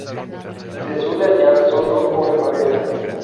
Se suele hallar solo o en pareja.